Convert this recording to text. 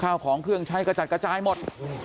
ข้าวของเครื่องใช้กระจัดกระจายหมด